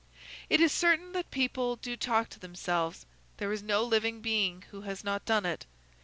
It is certain that people do talk to themselves; there is no living being who has not done it.